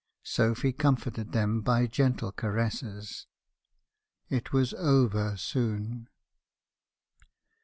Sophy comforted them by gentle ca resses. It was over soon.